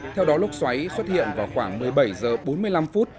theo đó lốc xoáy xuất hiện vào khoảng một mươi bảy h bốn mươi năm phút